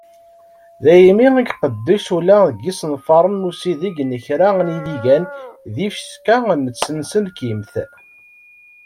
Daymi i iqeddec ula deg yiṣenfaṛen n usideg n kra n yidigan d yifecka n tsenselkimt.